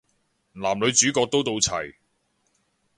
男女主角都到齊